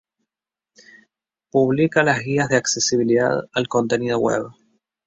Publica las Guías de Accesibilidad al Contenido Web.